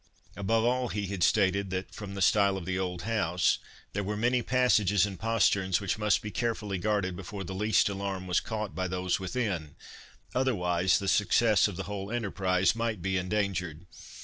Above all, he had stated, that, from the style of the old house, there were many passages and posterns which must be carefully guarded before the least alarm was caught by those within, otherwise the success of the whole enterprise might be endangered.